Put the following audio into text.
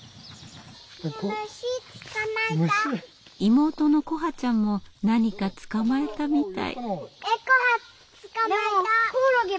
妹の來華ちゃんも何か捕まえたみたい。